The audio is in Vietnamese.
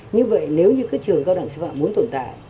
như vậy nếu như các trường cao đẳng sư phạm muốn tồn tại